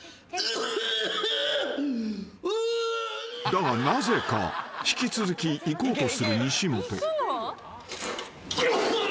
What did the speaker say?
［だがなぜか引き続きいこうとする西本］